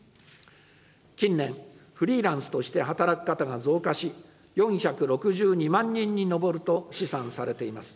近年、フリーランスとして働く方が増加し、４６２万人に上ると試算されています。